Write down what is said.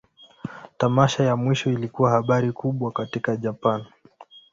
Tamasha ya mwisho ilikuwa habari kubwa katika Japan.